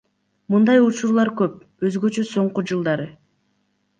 Мындай учурлар көп, өзгөчө соңку жылдары.